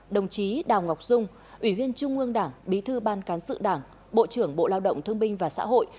đồng chí đào ngọc dung ủy viên trung ương đảng bí thư ban cán sự đảng bộ trưởng bộ lao động thương binh và xã hội